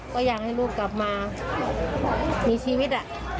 ก็อยากให้ลูกกลับมามีชีวิต